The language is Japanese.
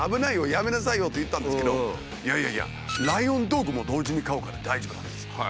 やめなさいよ」と言ったんですけど「いやいやライオンドッグも同時に飼うから大丈夫」だって。